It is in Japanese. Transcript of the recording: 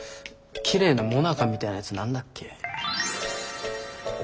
きれいなモナカみたいなやつ何だっけ？